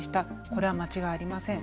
これは間違いありません。